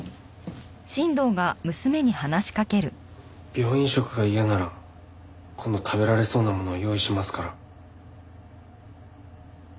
病院食が嫌なら今度食べられそうなもの用意しますから。